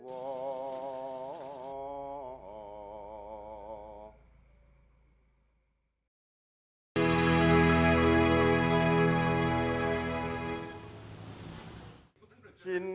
belum pernah dihentikan